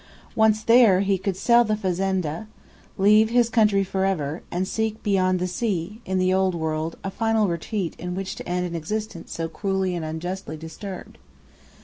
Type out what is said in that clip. Once there, he could sell the fazenda, leave his country forever, and seek beyond the sea, in the Old World, a final retreat in which to end an existence so cruelly and unjustly disturbed.